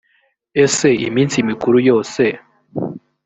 ese iminsi mikuru yose